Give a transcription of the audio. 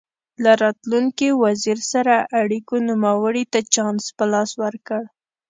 له راتلونکي وزیر سره اړیکو نوموړي ته چانس په لاس ورکړ.